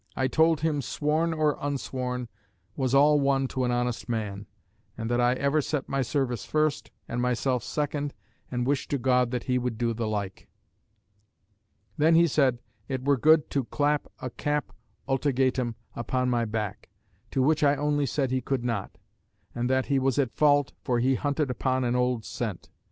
I told him, sworn or unsworn was all one to an honest man; and that I ever set my service first, and myself second; and wished to God that he would do the like. "Then he said, it were good to clap a cap. ultegatum upon my back! To which I only said he could not; and that he was at fault, for he hunted upon an old scent.